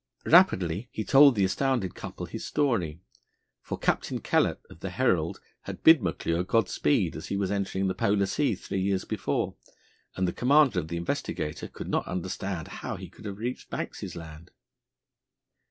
Rapidly he told the astounded couple his story, for Captain Kellett, of the Herald, had bid McClure God speed as he was entering the Polar Sea three years before, and the commander of the Investigator could not understand how he could have reached Banks' Land.